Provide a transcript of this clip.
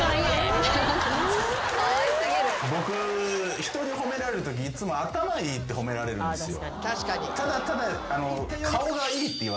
僕人に褒められるときいつも頭いいって褒められるんですよ。